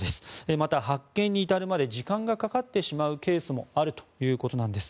また、発見に至るまで時間がかかってしまうケースもあるということなんです。